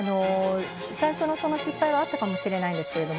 最初の失敗はあったかもしれないんですが